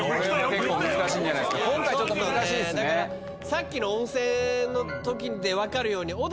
さっきの温泉のときで分かるように。